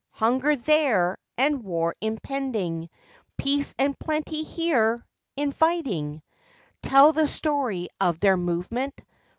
Hunger there, and war impending— Peace and plenty here, inviting— Tell the story of their movement.